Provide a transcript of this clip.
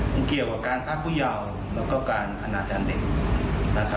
มันเกี่ยวกับการท่าผู้ยาวและการอาณาจรรย์เด็ก